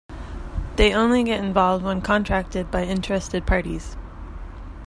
They only get involved when contracted by interested parties.